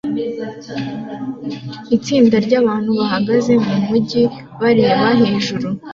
Itsinda ryabantu bahagaze kumujyi bareba hejuru